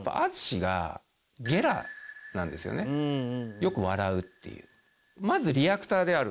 よく笑うっていう。